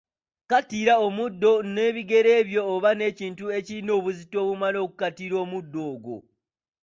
Kkatira omuddo n’ebigere byo oba ekintu ekirina obuzito obumala okukkatira omuddo ogwo.